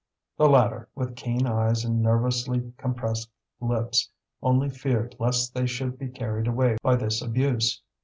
The latter, with keen eyes and nervously compressed lips, only feared lest they should be carried away by this abuse.